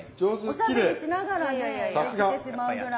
おしゃべりしながらやってしまうぐらい。